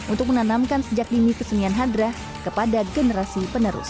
untuk menanamkan sejak dini kesenian hadrah kepada generasi penerus